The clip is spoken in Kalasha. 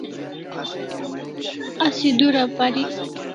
Asi dura parik